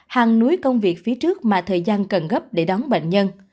hàng núi công việc phía trước mà thời gian cần gấp để đón bệnh nhân